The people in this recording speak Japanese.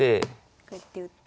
こうやって打って。